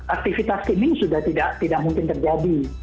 aktivitas skimming sudah tidak mungkin terjadi